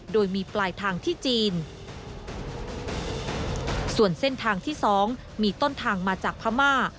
โดยมีปลายทางที่จีนส่วนเส้นทางที่สองมีต้นทางมาจากพม่า